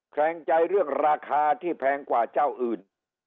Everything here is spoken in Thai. แขลงใจเรื่องราคาที่แพงกว่าเจ้าอื่น